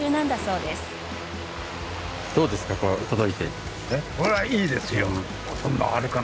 どうですか？